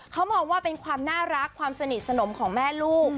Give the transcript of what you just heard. เขามองว่าเป็นความน่ารักความสนิทสนมของแม่ลูก